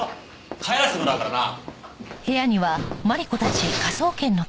帰らせてもらうからな。